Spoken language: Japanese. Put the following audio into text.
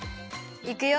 いくよ！